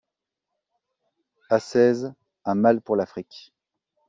Asséze a mal pour l'Afrique.